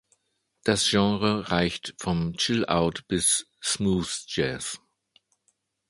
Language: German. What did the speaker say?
Das Genre reicht vom Chill Out bis Smooth Jazz.